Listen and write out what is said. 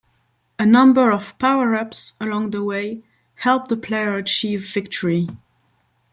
A number of power-ups along the way help the player achieve victory.